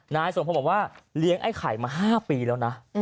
นายสมพงศ์บอกว่าเลี้ยงไอ้ไข่มา๕ปีแล้วนะ